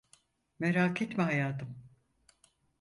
Merak etme hayatım.